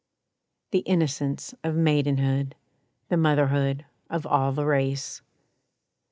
The innocence of maidenhood, The motherhood of all the race.